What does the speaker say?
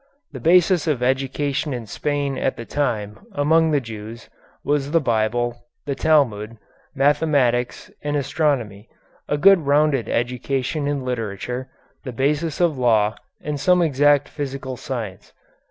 The basis of education in Spain at that time among the Jews was the Bible, the Talmud, mathematics, and astronomy, a good rounded education in literature, the basis of law, and some exact physical science.